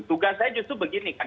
tugas saya justru begini kan